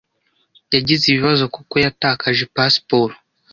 Yagize ibibazo kuko yatakaje pasiporo.